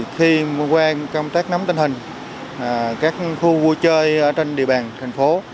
khi qua công tác nắm tình hình các khu vui chơi ở trên địa bàn thành phố